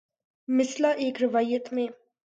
مثلا ایک روایت میں